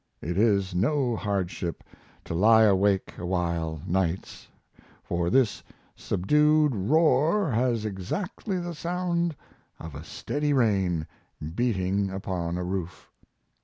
It is no hardship to lie awake awhile nights, for this subdued roar has exactly the sound of a steady rain beating upon a roof.